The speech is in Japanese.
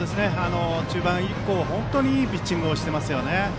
中盤以降本当にいいピッチングをしていますよね。